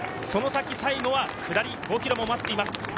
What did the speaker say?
その先、最後は下り５ｋｍが待っています。